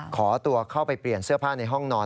ขอตัวเข้าไปเปลี่ยนเสื้อผ้าในห้องนอน